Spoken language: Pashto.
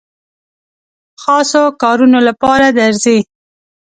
خاصو کارونو لپاره درځي.